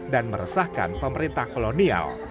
dan meresahkan pemerintah kolonial